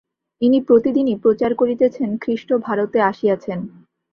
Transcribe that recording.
ইনি প্রতিদিনই প্রচার করিতেছেন, খ্রীষ্ট ভারতে আসিয়াছেন।